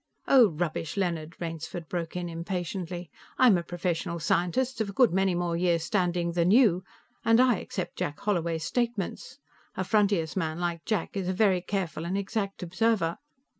"Oh, rubbish, Leonard!" Rainsford broke in impatiently. "I'm a professional scientist, of a good many more years' standing than you, and I accept Jack Holloway's statements. A frontiersman like Jack is a very careful and exact observer.